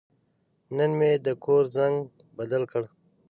نن مې د کور زنګ بدل کړ.